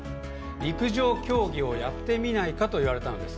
陸上競技をやってみないかと言われたんです。